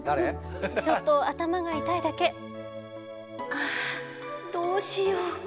あどうしよう。